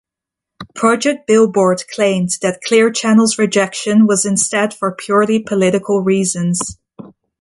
Project Billboard claimed that Clear Channel's rejection was instead for purely political reasons.